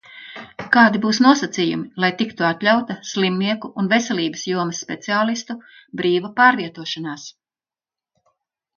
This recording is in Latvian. Kādi būs nosacījumi, lai tiktu atļauta slimnieku un veselības jomas speciālistu brīva pārvietošanās?